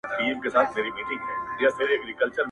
پر دا خپله خرابه مېنه مین یو.!